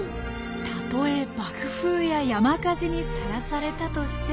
たとえ爆風や山火事にさらされたとしてもよく見ててください。